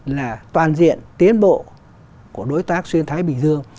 là toàn diện tiến bộ của đối tác xuyên thái bình dương